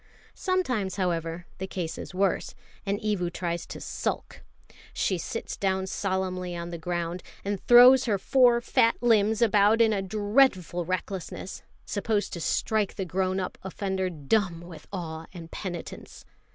Sometimes, however, the case is worse, and Evu tries to sulk. She sits down solemnly on the ground, and throws her four fat limbs about in a dreadful recklessness, supposed to strike the grown up offender dumb with awe and penitence.